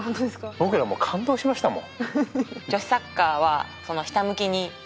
僕らも感動しましたもん。